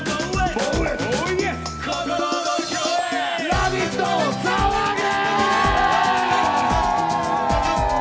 「ラヴィット！」、騒げ！